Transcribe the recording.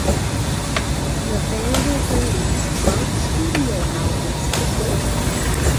The band have released twelve studio albums to date.